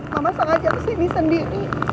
mama sangat jatuh sendiri